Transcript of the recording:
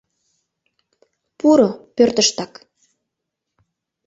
— Пуро, пӧртыштак...